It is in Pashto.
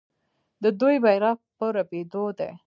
د دوی بیرغ په رپیدو دی.